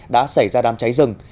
đã xảy ra đám cháy rừng